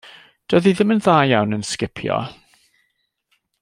Doedd hi ddim yn dda iawn yn sgipio.